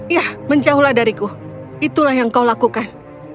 ya menjauhlah dariku itulah yang kau lakukan